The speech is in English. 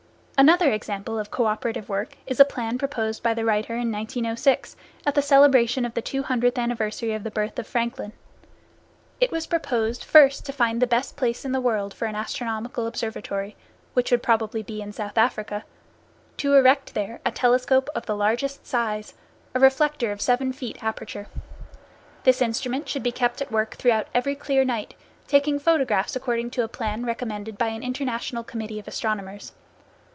Another example of cooperative work is a plan proposed by the writer in 1906, at the celebration of the two hundredth anniversary of the birth of Franklin. It was proposed, first to find the best place in the world for an astronomical observatory, which would probably be in South Africa, to erect there a telescope of the largest size, a reflector of seven feet aperture. This instrument should be kept at work throughout every clear night, taking photographs according to a plan recommended by an international committee of astronomers.